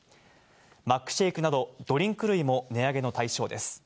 マックシェイクなどドリンク類も値上げの対象です。